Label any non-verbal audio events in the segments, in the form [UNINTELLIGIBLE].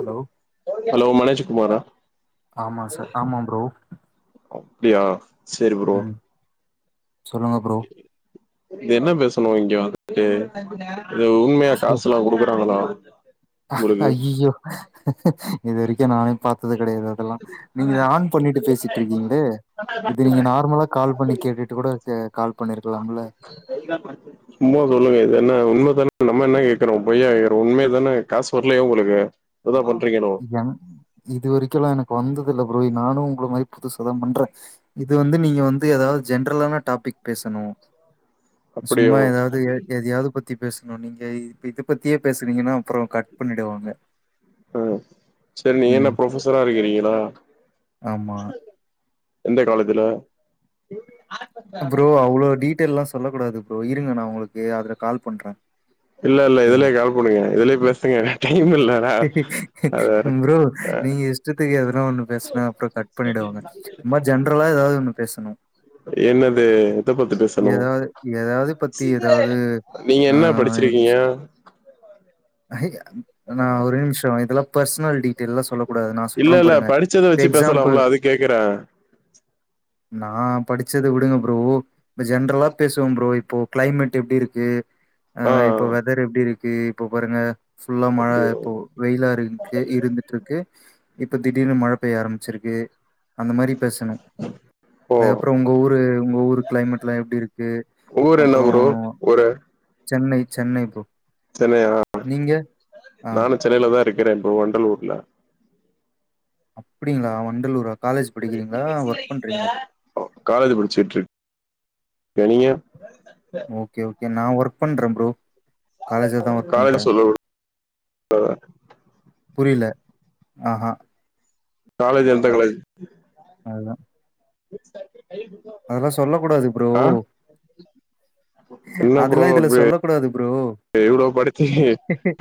Hello hello Manoj குமாரா ஆமா sir ஆமா ப்ரோ அப்படியா சரி ப்ரோ ம் சொல்லுங்க ப்ரோ இது என்ன பேசணும் இங்க வந்துட்டு இது உண்மையா காசு எல்லாம் கொடுக்குறாங்களா அய்யயோ இதுவரைக்கும் நானும் பாத்தது கிடையாது அதெல்லாம் நீங்க இத ஆன் பண்ணிட்டு பேசிட்டு இருக்கீங்களே இது நீங்க நார்மலா கால் பண்ணி கேட்டுட்டு கூட கால் பண்ணிருக்கலாம்ல சும்மா சொல்லுங்க இது என்ன உண்மைதானா நம்ம என்ன கேக்குறோம் பொய்யா கேக்குறோம் உண்மே தானே காசு வரலையா உங்களுக்கு இப்பதா பண்றீங்களோ என் இது வரைக்குகெல்லாம் எனக்கு வந்தது இல்ல புரோ நானும் உங்கள மாதிரி புதுசாதாம் பண்ற இது வந்து நீங்க வந்து ஏதாவது ஜென்ரலான டாபிக் பேசணும் அப்டியோ சும்மா ஏதாவது எதையாவது பத்தி பத்தி பேசணும் நீங்க இ இதை பத்தியே பேசுனீங்கன்னா அப்புறம் கட் பண்ணிடுவாங்க ஹம் சரி நீ என்ன ம் ப்ரொபசரா இருக்கிறீங்களா ஆமா எந்த காலேஜ்ல ப்ரோ அவ்வளோ டீட்டெயல் எல்லாம் சொல்லக் கூடாது ப்ரோ இருங்க நான் உங்களுக்கு அதுல கால் பண்றேன் இல்ல இல்ல இதுலயே கால் பண்ணுங்க இதுலயே பேசுங்க டைம் இல்லடா அது வேற ப்ரோ நீங்க இஷ்ட தெரியாது ஒண்ணு பேச அப்புறம் கட் பண்ணிடுவாங்க இந்த மாதிரி ஜென்ரலா ஏதாவது ஒண்ணு பேசணும் என்னது இத பத்த பேசனும் ஏதாவது பத்தி ஏதாவது நீங்க ஆ என்ன படிச்சிருக்கீங்க ஹ நான் ஒரே நிமிஷம் இதெல்லாம் பர்சனல் டீட்டெல்லாம் சொல்ல கூடாது நான் இல்ல சொல்றேன் இல்ல பாருங்க படிச்சத வச்சு எக்ஸாம்பிள் பேசலாம்ல அது கேக்குறே நான் படிச்சதை விடுங்க ப்ரோ இப்ப ஜென்ரலா பேசுவோம் ப்ரோ இப்போ கிளைமேட் எப்படி இருக்கு ஆ ஆஹ் இப்ப வெதர் எப்படி இருக்கு இப்ப பாருங்க ஃபுல்லா மழை அப்டியா இப்போ வெயிலாறுக்கு இருந்துட்டு இருக்கு இப்ப திடீர்னு மழை பெய்ய ஆரம்பிச்சிருக்கு அந்த மாதிரி பேசணும் ஓ அதுக்கப்புறம் உங்க ஊரு உங்க ஊரு கிளைமேட் எலாம் எப்படி இருக்கு க்கு ஊர் என்ன அப்புறம் ப்ரோ ஊரு சென்னை சென்னை போ சென்னையா நானும் சென்னையில தான் இருக்கிறேன் இப்போ வண்டல் ஊர்ல அப்படிங்களா வண்டலூரா காலேஜ் படிக்கிறீங்களா ஒர்க் பண்றீங்களா ஓ காலஜ படிச்சட்டு இரு கனங்க ஓகே ஓகே நான் ஒர்க் பண்றேன் ப்ரூ காலேஜ்ல தான் ஒர்க் பண்றேன் ஆஹ் புரியல ஆஹஹா காலேஜ் எந்த காலேஜ அதான் [INAUDIBLE] அதெல்லாம் சொல்ல கூடாது ப்ரோ அப்ப அதுெல்லாம் இதுல சொல்ல கூடாது ப்ரூ எவ்வளவு படுத்தி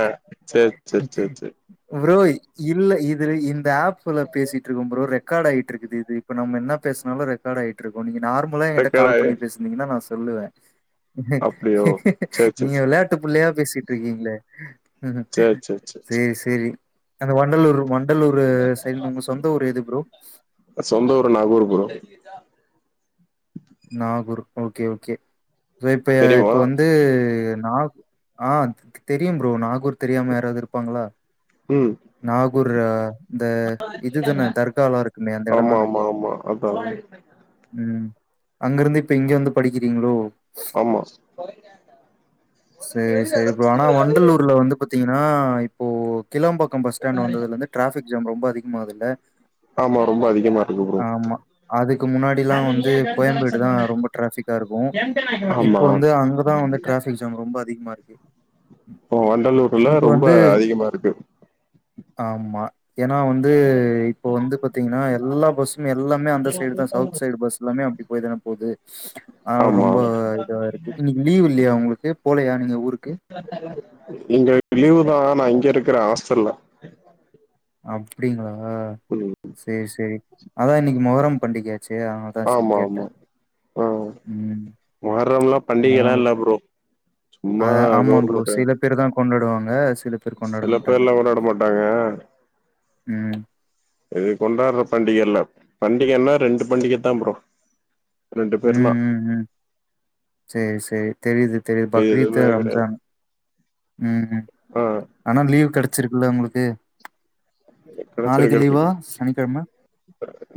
ஆஹ் சரி சரி சரி சரி புரோய் இல்ல இது இந்த ஆப்ல பேசிட்டு இருக்கு புரோ ரெக்கார்ட் ஆகிட்டு இருக்குது இது இப்ப நம்ம என்ன பேசனாலும் ரெக்கார்ட் ஆயிட்டு இரு நீங்க நார்மலா என்கிட்ட செகண்ட் கால் ஆயி பண்ணி பேசினீங்கன்னா நான் சொல்லுவேன் அப்டியோ சேரி சேரி நீங்க சேரி விளையாட்டு புள்ளையா பேசிட்டு இருக்கீங்களே ம் சேரி சேரி அந்த வண்டலூர் வண்டலூர் சைடு உங்க சொந்த ஊர் எது புரோ இதா நாகூர் ஓகே ஓகே சோ இப்ப தெரியுமா இப்ப வந்து நாகூ ஆ தெரியும் புரோ நாகூர் தெரியாம யாராவது இருப்பாங்களா ம் நாகூர் இந்த இதுதானே தர்கா எலாம் இருக்குமே அந்த ஆமா எடந்தன ஆமா ஆமா அதா ம் அங்கிருந்து இப்ப இங்க வந்து படிக்கிறீங்களோ ஆமா சேரி சேரி ப்ரோ ஆனா வண்டலூர்ல வந்து பாத்தீங்கன்னா இப்போ கிளாம்பாக்கம் பஸ்ஸ்டாண்ட் வந்ததுல இருந்து டிராபிக் ஜாம் ரொம்ப அதிகமாகுதில்ல ஆமா ரொம்ப அதிகமா இருக்கு ப்ரோ ஆமா அதுக்கு முன்னாடி எல்லாம் வந்து கோயம்பேடு தான் ரொம்ப டிராபிக் ப்பிடா இருக்கும் இப்ப ஆமா வந்து அங்கதான் வந்து டிராபிக் ஜாம் ரொம்ப அதிகமா இருக்கு வண்டலூர்ல இப்போ ரொம்ப வந்து அதிகமா இருக்கு ஆமா ஏன்னா வந்து இப்போ வந்து பாத்தீங்கன்னா எல்லா பஸ்ஸும் எல்லாமே அந்த சைடு தான் சவுத் சைடு பஸ்லாமே அப்ப போய தானே போகுது அதனால ஆமா ரொம்ப இதுவா இருக்கு இன்னிக்கு லீவ் இல்லையா உங்க போலையா நீங்க ஊருக்கு இங்க லீவு தான் நான் இங்க இருக்கற ஆஸ்தல்ல அப்பிடிங்களா செரி செரி அதான் இன்னிக்கு மொகரம் பண்டிகை செரி அவதான் செரி கேட்டே ஓ ம் மொகரம்ல்லாம் அதா பண்டிகைல்லாம் ஒரு இல்ல ப்ரோ அ சும்மா ஆமா ப்ரோ கவுர்மெண்ட் சில பேர் தா கொண்டாடுவாங்க சில பேர் கொண்டாட சில மாட்டாங்க பேர்ல்லாம் கொண்டாட மாட்டாங்க [UNINTELLIGIBLE] ம் இது கொண்டாதற பண்டிகைல்ல பண்டிகைன்னா ரெண்டு பண்டிகை தான் ப்ரோ ரெண்டு பேர் தா ம் ம் ம் செரி செரி தெரியுது தெரீத் இது பக்ரீத் எதுவுமே கெடையாது ரம்ஜான் ம் ம் ஆ ஆனா அந்த லீவ் கெடைச்சிருக்குல்ல உங்குளுக்கு கெடைச்சிருக்கு எடுத்துக்குவோ சனிக்கெழம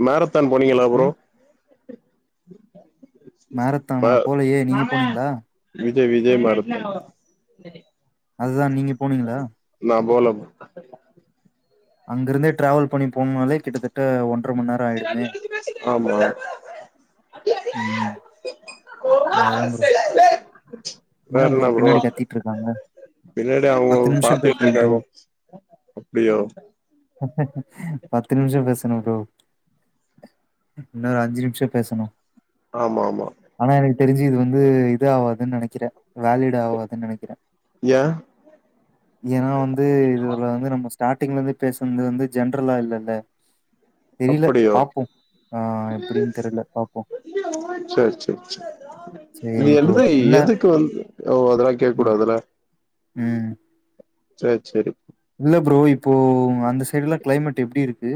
மேரத்தான் போணிங்களா ஆ ப்ரோ ம் மேரத்தானா போலயே நீங்க வாங்க போனீங்களா விஜய் விஜய் [UNINTELLIGIBLE] அதுதா நீங்க போணிங்களா [UNINTELLIGIBLE] அங்கிருந்தே ட்ரேவல் பண்ணி போவும்போதே கிட்டத்தட்ட ஒன்றரை மணி நேரம் ஆயிடுமே ஆமா ம் [UNINTELLIGIBLE] வேற இன்னா ப்ரோ என்ன பின்னாடி கத்திட்ருக்காங்க பின்னாடி அவங்கோ பத்து நிமிஷோ பேசணு ப்ரோ பாத்துட்ருக்காங்க அப்டியா பத்து நிமிஷம் பேசணும் ப்ரோ இன்னும் ஒரு அஞ்சு நிமிஷம் பேசணும் ஆமா ஆமா ஆனா எனக்கு தெரிஞ்சு இது வந்து இது ஆவாதுன்னு நெனைக்கிறே வேலிட் ஆவாதுன்னு நெனைக்கிறே ஏ ஏன்னா வந்து இதுல வந்து நம்மஸ் ஸ்டார்டிங்ல இருந்து பேசன்து வந்து ஜென்ரலா இல்லல்ல தெரியில அப்டியோ பாப்போம் ஆ எப்புடின் தெரில பாப்போம் [UNINTELLIGIBLE] செர் செர் செர் நீ சரி ப்ரோ. எந்த என்ன எதுக்கு வந்து ஓ அதெல்லா கேட்க் ம், கூடாதுல்ல ம் செர் செரி இல்ல ப்ரோ இப்போ அந்த சைடுல்லா கிளைமேட் எப்டி இருக்கு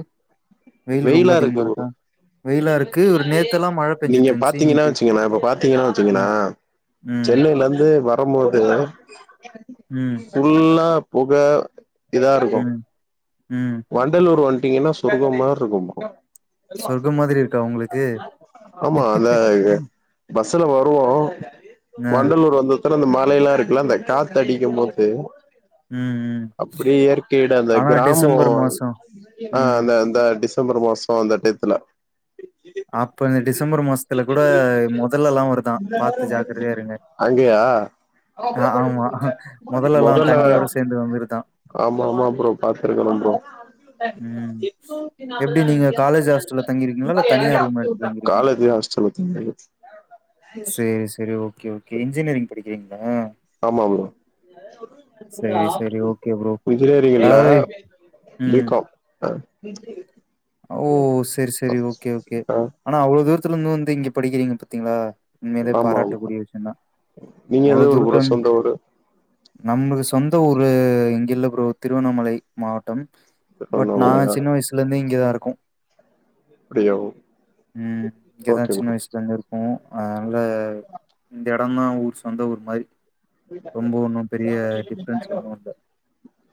வெயில் ரொம்ப வெயிலா அதிகமா இருக்கு இருக்கா வெயிலா இருக்கு. ஒரு நேத்தெல்லாம் மழை [UNINTELLIGIBLE] நீங்க பெஞ்சுட்டு இருந்துச்சு. பாத்தீங்கன்னா இன்னைக்கு வச்சீங்கங்ளே இப்ப பாத்தீங்கன்னா வச்சீங்கங்ளே ம், ம், சென்னயில இருந்து வரும்போது ம், ஃபுல்லா புக இதா இருக்கு ம், ம். வண்டலூர் வந்ட்டீங்கன்னா சொற்க்கமாரி இருக்கு சொர்க்கம் மாதிரி இருக்கா உங்களுக்கு? [UNINTELLIGIBLE] ஆமா அதா இ பஸ் பஸூல வருவோ ஆ. வண்டலூர் வந்து அத்தட்ல அந்த மலை எல்லா இருக்கல்ல அந்த காத்து அடிக்கும் போது ம் ம் அப்டி இயற்கையீட அந்த ஆனா கிராமு டிசம்பர் மாசோ [UNINTELLIGIBLE] ஆ ம் அந்த அந்த டிசம்பர் மாசம் அந்த டேய்த்துல அப்ப இந்த டிசம்பர் மாசத்துல கூட முதல்லல்லா வருதா பாத்து ஜாக்கிரதயா இருங்க அங்கயா ஆ ஆமா [UNINTELLIGIBLE] மொதல்லல்லா முதல்ல தண்ணியோட சேந்து வந்துருதா ஆமா ஆமா ப்ரோ பாத்துருக்கனோ ப்ரோ ம் எப்டி நீங்க காலேஜ் ஹாஸ்டல்ல தங்கிருக்கீங்களா இல்ல தனியா ரூம் எடுத்து தங்கிருக்கீங்களா காலேஜ் ஹாஸ்டல் சரி சரி ஓகே ஓகே இன்ஜினியரிங் படிக்கிறீங் ஆமா ப்ரோ சேரி சேரி ஓகே ப்ரோ [UNINTELLIGIBLE] என்ஜினியரிங்ல்ல அதாவது ம் பிகாம் [INAUDIBLE] ஓ செர் செரி ஓகே ஓகே ஆ ஆனா அவ்ளே தூரத்துல இருந்து வந்து இங்க படிக்கிறீங்க பாத்தீங்களா உண்மையிலே ஆமா ஆமா பாராட்டக்கூடிய விஷயம்தா நீங்க அவ்ளோ எந்த ஊரு ப்ரோ தூரத்துல வந் சொந்த ஊரு நம்ளூக்கு சொந்த ஊர் இங்கில்ல ப்ரோ திருவண்ணாமலை மாவட்டம் பட் நாங்க திருவண்ணாமலையா சின்ன வயசுலேர்ந்தே இங்கதா இருக்கோ அப்டியா ம் இங்கதா ஓகே சின்ன ப்ரோ வயசுல இருந்தே இருக்கோ அதனால இந்த எடம்தா ஊர் சொந்த ஊர் மாரி ரொம்ப ஒண்ணும் பெரிய டிஃப்ரென்ஸ் ஒண்ணூ இல்ல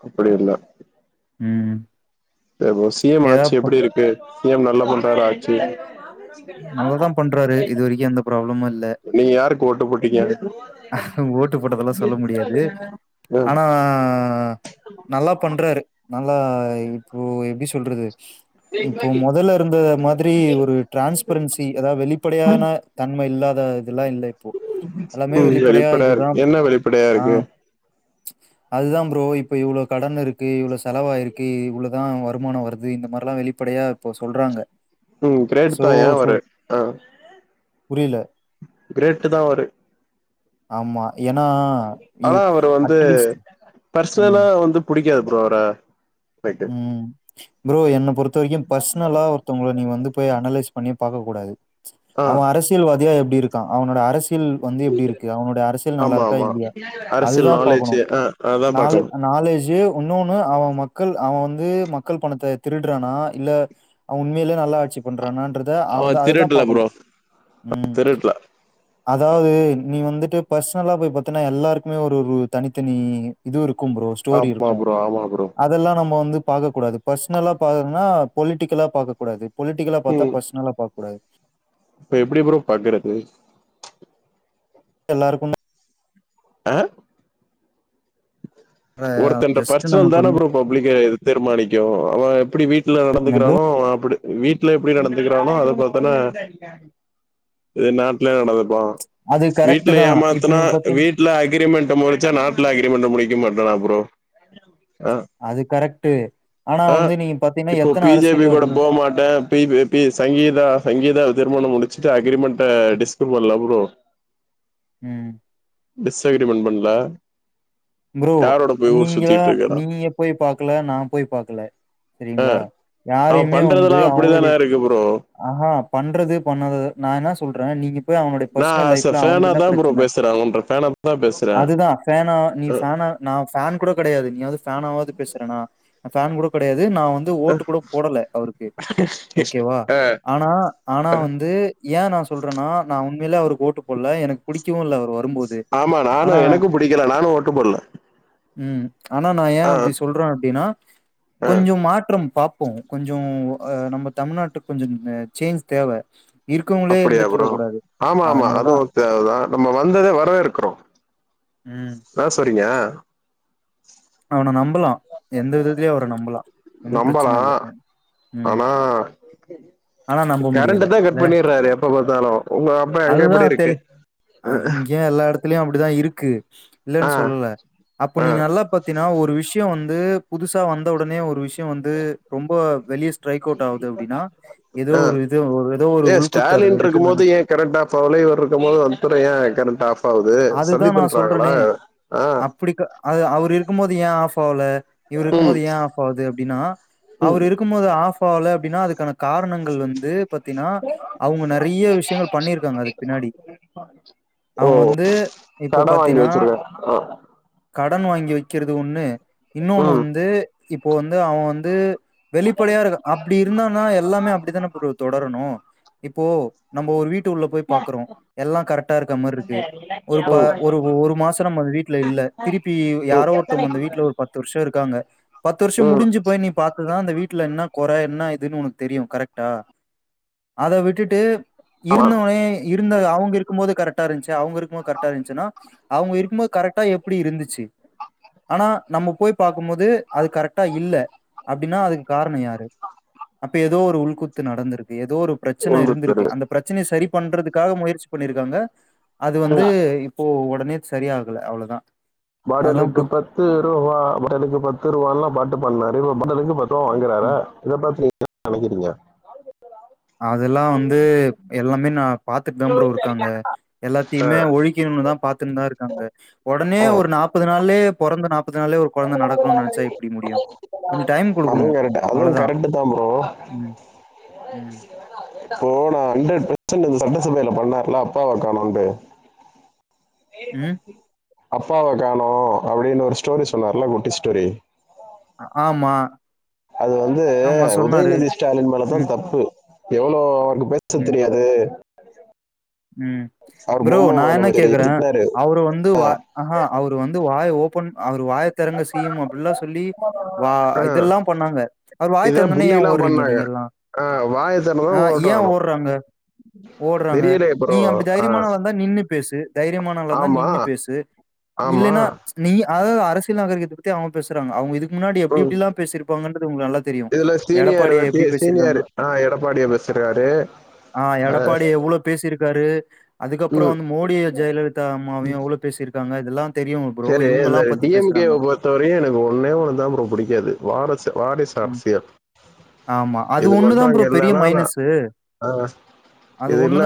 அப்படி இல்ல ம் இப்போ சிஎம் ஏதா ஆட்சி ப எப்படி இருக்கு சிஎம் நல்ல பண்றாரா ஆட்சி நல்லா தான் பண்றாரு இது வரைக்கும் எந்த ப்ராப்ளமு நீங்க யாருக்கு ஓட்டு போட்டிங்க ஓட்டு போட்டதெல்லா சொல்ல முடியாது ஆ ஆனா நல்லா பண்றாரு நல்லா இப்போ எப்படி சொல்றது இப்போ முதல்ல இருந்த மாதிரி ஒரு டிரான்ஸ்பரன்சி அதாவது வெளிப்படையான தன்மை இல்லாத இதெல்லா இல்ல இப்போ எல்லாமே ம் வெளிப்படையா இதுதான் இருக்கு என்ன வெளிப்படையா ஆ இருக்கு அதுதான் ப்ரோ இப்ப இவ்வளோ கடன் இருக்கு இவ்வளோ செலவாய் இருக்கு இவ்ளவுதான் வருமானம் வருது இந்த மாரி வெளிப்படையா இப்போ சொல்றாங்க ம் கிரேட் சோ தான் ஏன் சோ அவரு ஆ புரியல கிரேட்டு தான் அவரு ஆமா ஏன்னா இ ஆனா அவரு வந்து அட்லீஸ்ட் ம், பர்சனலா வந்து புடிக்காது ப்ரோ அவர எனக்கு ம் ப்ரோ என்ன பொறுத்த வரைக்கும் பர்சனலா ஒருத்தவங்கள நீ வந்து போய் அனலைஸ் பண்ணி பார்க்க கூடாது ஆ அவன் அரசியல்வாதியா எப்படி இருக்கான் அவனோட அரசியல் கில் வந்து எப்பிடி இருக்கு அவனுடைய அரசியல் நல்லா ஆமா இருக்கா ஆமா இல்லையா அரசியல் அதுதா பாக்கணு நாலேஜ் ஆ அதான் நாலு பாக்கணும் அ நா நாலேஜி உன்னொன்னு அவ மொத் க்கள் அவ வந்து மக்கள் பணத்த திருடுறானா இல்ல அவ உண்மேலே நல்லா ஆட்சி பண்ற ண்றானான்றதா அவ தா அவன் அதுதா திருடல பாக்கணு ப்ரோ ம் திருடல அதாவது நீ வந்துட்டு பர்சனலா போய் பாத்தீன்னா எல்லாருக்குமே ஒரு தனித்தனி இதுவுருக் க்கும் ப்ரோ ஸ்டோரி ஆமா இருக்கு ப்ரோ ஆமா ப்ரோ ல்லா நம்ம வந்து பாக்கக்கூடது பர்ஸ்னலா பாக்கனுன்னா பொலிட்டிக்கலா பாக்கக்கூடாது பொலிட்டிக்கலா பாத்தா ம் பர்ஸ்னலா பாக்கக் கூடாது இப்ப எப்பிடி ப்ரோ பாக்குறது எல்லாருக்கும் அ ஒருத்தன்ட ஜஸ்ட் பர்சனல் நமக்கு தான வந்து ப்ரோ பாப் புள்ளைங்க தீர்மானிக்கியு அவ எப்பிடி வீட்ல என்ன ப்ரோ? நடந்துக்கிறானோ அப்பிடி வீட்ல எப்பிடி நடந்துக்கிறானோ அத போலதான இது நாட்ல நடந்துப்பா அது கரெக்ட்டு வீட்ல தான். இப்ப ஏமாத்துனா நீங்க பாத்தீங் வீட்ல அக்ரிமெண்ட் முடிச்சா நாட்ல அக்ரிமெண்ட் முடிக்க மாட் டானா ப்ரோ அ அது கரெக்ட்டு. ஆனா அ வந்து நீங்க பாத்தீங்கன்னா, இப்போ எத்தன பி ஜே பி கூட அரசியல்வாதிங்க போ மாட்ட அ பி ப்ப பி [UNINTELLIGIBLE] சங்கீதா சங்கீதா திருமணம் முடிச்சுட்டு அக்ரிமெண்ட டிஸ்கு பண்லா ப்ரோ ம் டிஸ் அக்ரிமெண்ட் பண்ல ப்ரோ யாரோட போய் ஊர் நீங்கள சுத்திட்டு இருக்கறா நீங்க போய் பாக்கல நா போய் பாக்கல ஆ செரிங்களா அவ யாரையுமே வந்து பண்றதெல்லா அவங்களுடைய அப்டிதான இருக்கு ப்ரோ ஆஹா பண்றது பண்ணாதது நா என்ன சொல்றே நீங்க போய் அவனுடைய நா பர்சனல் அஸ்ச லைஃப்ல ஃபேனா அவனுக்கு என்ன தா ப்ரோ பிரச்சன பேசுற ஒவன்ற ஃபேனா தா பேசு அதுதா ஃபேனா நீ ஃபேனா நா ஃபேன் கூட கெடையாது நீயாவது ஃபேனாவது பேசுறனா நா ஃபேன் கூட கெடையாது நா வந்து அ ஓட்டு கூட போடல அவருக்கு ஓகேவா அ ஆனா ஆனா வந்து ஏ நா சொல்றன்னா நா வந்து உண்மேலே அவருக்கு ஓட்டு போடல எனக்கு பிடிக்கவு இல்ல அவ் ஆமா நானு எனக்கு புடிக்கல நானு ஓட்டு போடல ம் ஆனா நா ஏ அப்பிடி சொல்றே அப்டின்னா ஆ கொஞ்சம் மாற்றம் பாப் இப்போ கொஞ்சோ நம்ம தமிழ்நாட்டுக்கு கொஞ்சோ ம் சேஞ்ச் தேவ இருக்கவங்களே அப்பிடியா இருந்துட்டு ப்ரோ இருக்கக் கூடாது. ஆமா ஆமா அதனால தான். அதுவு தேவதா நம்ம வந்ததே வரவேற்கிறோ ம். ஆ சரிங்க நம்பலா எந்த விதத்திலயு அவர நம்பலா ஒன்னு பிரச்சன இல்ல ம். அனா ஆனா நம்ப முடியல. கரண்ட்ட தா இல்ல கட் பண்ணடுறாரு எப்பப்பாத்தாலு உங்க அப்பா எங்க எப்பிடி அதுதான் இருக்கு தெளி அ இங்கே எல்லா எடத்துலயு அப்பிடிதா இருக்கு ஆ இல்லேன்னு சொல்லல்ல அப்ப ஆ நீ நல்லா பாத்தீனா ஒரு விஷ்யோ வந்து புதுசா வந்த ஒடனே ஒரு விஷ்யோ வந்து ரொம்ப வெளிய ஸ்ட்ரைக் அவுட் ஆவுது அப்படின்னா, ஏதோ அ ஒரு இது ஒரு ஏதோ ஒரு ஏ உள்குத்து அதுல ஸ்டாலின் இருக்குன்னு இருக்கும்போது தான ஏ கெரண்ட்டாஃப் ஆவுல்ல [UNINTELLIGIBLE] இருக்கும் போது மின்தடையே கெரண்ட் ஆஃப் ஆவுது அதுதா சதி நா பண்றாங்களா சொல்றனே ஆ அப்பிடிக்கா அது அவர் இருக்கும் போது ஏ ஆஃப்பாவுல இவரு ம் இருக்கும்போது ஏ ஆஃப்பாகுது அப்டின்னா ம் அவர் இருக்கும்போது ஆஃப் ஆகல அப்பிடின்னா அதுக்கான காரணங்கள் வந்து பாத்தீனா அவுங்க நறைய விஷயங்கள் பண்ணியிருக்காங்க அதுக்கு பின்னாடி ஓ அவங்க வந் து இப்போ கட வாங்கி பாத்தீன்னா வச்சிருக்கே ஆ கடன் வாங்கி வைக்கிறது ஒண்ணு இன்னொன்னு ம் வந்து இப்போ வந்து அவ வந்து வெளிப்படையா இருக்க அப்பிடி இருந்தனா எல்லாமே அப்பிடிதான ப்ரோ தொடரணு இப்போ நம்ம ஒரு வீட்டு உள்ள போய் பாக்குறோ எல்லா கரெக்டா இருக்கற மாரிருக்கு ம் ஒரு ப ஒரு ஒரு மாசோ நம்ம அந்த வீட்ல இல்ல திருப்பி ம் யாரோ ஒருத்தவங்க அந்த வீட்ல ஒரு பத்து வருஷோருக் காங்க பத்து வருஷோ ம் முடிஞ்சு போய் நீ பாத்தனா அந்த வீட்ல என்ன கொற என்ன உனக்கு தெரியும் கரெக்டா அதை விட்டுட்டு ஆமா இருந்தவனே இரு இரு அவங்க இருக்கும் போோது கரெக்டா இருச்சு அவங்க இருக்குபோது கரெக்டா இருந்துச்சுன்னா அவங்க இருக்கும்போது கரெக்டா எப்படி இருந்துச்சு ஆனா நம்ம போய் பார்க்க இருக்கும் போோது அது கரெக்டா இல்ல அப்படின்னா அதுக்கு காரணம் யாரு அப்ப ஏதோ ஒரு உள்குத்து நடந்திருக்கு ஏதோ ஒரு பிரச்சனை உந்து இருந்திருக்கு தெரு அந்த பிரச்சனைய சரி பண்றதுக்காக முயற்சி பண்ணிருக்காங்க அது வந்து இப்போ உடனே சரியாகல அவ்வளவுதான் மடலுக்கு பத்து ரூபா மடலுக்கு பத்து ரூபான்ல்லாம் பாட்டு பண்ணல இ மடலுக்கு பத்து றம் அங்குறாரா ம் இத ப்த்த நீங்க என் நினைக்கிறீங்க அதெல்லாம் வந்து எல்லாமே நான் பாார்த்துட்டு விளம்புறம் இருக்காங்க எல்லாத்தையுமே ஒழிக்கணும்னு தான் பார்த்திருந்தார் ங்க உடனே ஆ ஒரு நாற்பது நாாளே பிறந்த நாற்பது நாளே ஒரு குழந்தை நடக்கணும்னு நினைச்சா எப்டி முடியும் கொஞ்சம் டைம் அதுவும் குடுக்கணும். கரெக்ட் அதுவும் அவ்வளதான். கரெக்ட் தான் ப்ரோ உம் போனா ஹண்ட்ரட் பெர்சன்ட் இந்த சட்டசபையில பண்ணாருல அப்பா வை காணும்ண்டு உம் அப்பாவை காணோ அப்படின்னு ஒரு ஸ்டோரி சொன்னருலா குட்டி ஸ்டோரி ஆமா அது வந்து ஆமா சொன்னாரு. உதயநிதி ஸ்டாலின் மேலதான் ம், தப்பு எவ்வளவு அவருக்கு பேச தெரியாது உம் அவர் ப்ரோ பொம்ம நான் என்ன முதலமைச்சர் கேக்குறேன் திட்னாரு அவரு வந்துஹ அவரு வந்து வாய் ஓபன் அவர் வாய திறங்க செய்யும் அப்படின்ல்லாம் சொல்லி வா ஆ இதெல்லாம் பண்ணாங்க அவர் வாய இதே தந்தனே என் புல்லிலா ஒரு ங்க பண்ணாங்க நீங்க எல்லாம் ஆ வாய திறந்தா ஆஹ ஏன் ஓட்றானு ஓடுறாங்க ஓடுறாங்க தெரியலையே நீ ப்ரோ அப்படி ஆ தைரியமானாலள இருந்தான் நின்னு பேசு தைரியமானளம்ந்தான் ஆமா நின்னு பேசு ஆமா இல்லைன்னா நீ அதாவது அரசியல் நகரக்கத்தை பத்தி அவங்க பேசுறாங்க அவங்க இதுக்கு முன்னாடி எப்படி ம் எப்படிலாம் பேசிருப்பாங்கன்றது உங்களுக்கு நல்லா தெரியும் இதுல சீனியர் எடப்பாடி ஐயா எப்படி பேசிருக்காங்க குறாரு ஆஹ் எடப்பாடி எவ்வளோ பேசியிரு இருக்காரு அதுக்கப்புறம் ம் வந்து மோடி ஜெயலலிதா அம்மாவையும் எவ்வளவு பேசியிருக்காங்க இதெல்லாம் சரி இந்த டிஎம்கே பொறுத்தவரையும் எனக்கு ஒன்னே ஒண்ணு தான் ரொம்ப பிடிக்காது வார ச வாரஷ ம் அரசியல் ஆமா அது இது மட்டு ஒண்ணுதா அங்க ப்ரோ பெரிய இல்லனாநா மைனஸு அஹ் அது இது ஒண்ணுதா இல்ல